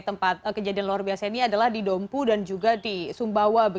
tempat kejadian luar biasa ini adalah di dompu dan juga di sumbawa